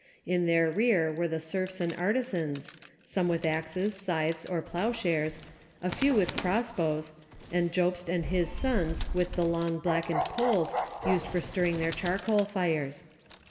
In their rear were the serfs and artisans, some with axes, scythes, or ploughshares, a few with cross bows, and Jobst and his sons with the long blackened poles used for stirring their charcoal fires.